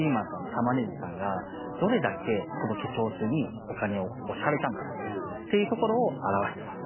たまねぎさんがどれだけこの化粧水にお金をお支払いしたのかっていうところを表してます。